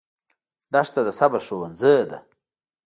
دښته د صبر ښوونځی دی.